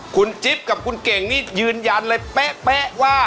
คุณจิ๊บกับคุณเก่งนี่ยืนยันเลยเป๊ะว่า